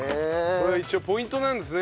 これ一応ポイントなんですね。